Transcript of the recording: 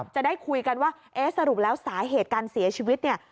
จะได้คุยกันว่าเอ๊ะสรุปแล้วสาเหตุการเสียชีวิตเนี่ย